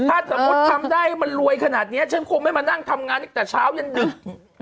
ถ้าสมมุติทำได้มันรวยขนาดนี้ฉันคงไม่มานั่งทำงานตั้งแต่เช้ายันดึก